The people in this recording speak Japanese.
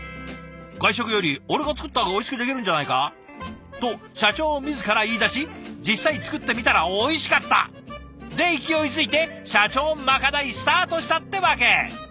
「外食より俺が作った方がおいしくできるんじゃないか？」と社長自ら言いだし実際作ってみたらおいしかった！で勢いづいて社長まかないスタートしたってわけ！